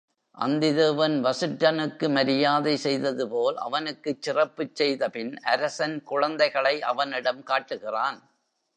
அந்திதேவன் வசிட்டனுக்கு மரியாதை செய்ததுபோல் அவனுக்குச் சிறப்புச் செய்தபின் அரசன் குழந்தையை அவனிடம் காட்டுகிறான்.